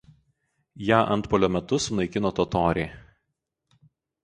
Ją antpuolio metu sunaikino totoriai.